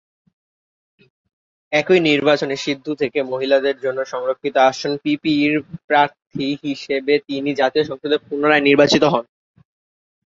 একই নির্বাচনে সিন্ধু থেকে মহিলাদের জন্য সংরক্ষিত আসনে পিপিপির প্রার্থী হিসাবে তিনি জাতীয় সংসদে পুনরায় নির্বাচিত হন।